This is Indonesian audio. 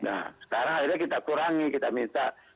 nah sekarang akhirnya kita kurangi kita minta